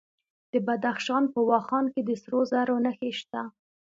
د بدخشان په واخان کې د سرو زرو نښې شته.